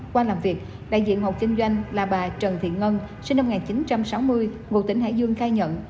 qua làm việc đại diện hộ kinh doanh là bà trần thị ngân sinh năm một nghìn chín trăm sáu mươi ngụ tỉnh hải dương khai nhận